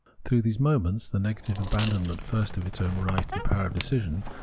Through these moments— the negative abandonment first of its own right and power of decision.